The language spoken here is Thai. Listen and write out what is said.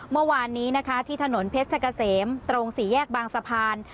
เมื่อวานนี้นะคะที่ถนนเพชรกะเสมตรงสี่แยกบางสะพาน